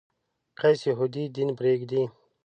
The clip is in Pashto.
قیس یهودي دین پرېږدي.